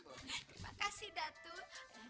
terima kasih datuk